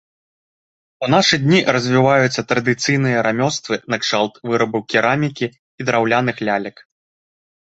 У нашы дні развіваюцца традыцыйныя рамёствы накшталт вырабу керамікі і драўляных лялек.